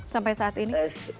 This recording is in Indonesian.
sampai saat ini